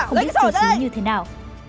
không biết xây xứ như thế nào